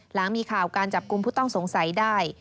หลังมีข่าวการจับกลุ่มผู้ต้องสงสัยได้